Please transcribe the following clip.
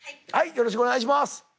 よろしくお願いします。